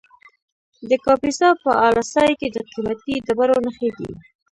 د کاپیسا په اله سای کې د قیمتي ډبرو نښې دي.